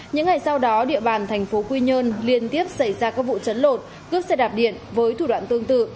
những ngày sau đó địa bàn thành phố quy nhơn liên tiếp xảy ra các vụ chấn lột cướp xe đạp điện với thủ đoạn tương tự